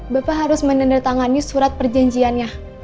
bapak harus menandatangani surat perjanjiannya